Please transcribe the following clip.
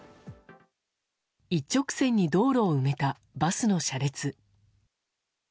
一直線に道路を埋めたバスの車列。